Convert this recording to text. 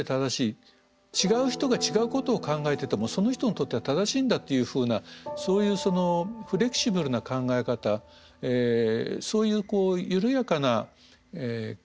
違う人が違うことを考えててもその人にとっては正しいんだというふうなそういうフレキシブルな考え方そういう緩やかな考え方っていうのは失われてですね